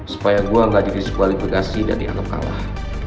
supaya gue gak dikisah kualifikasi dan dianggap kalah